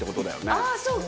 あっそうか。